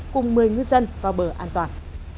cùng một mươi ngư dân vào bờ an toàn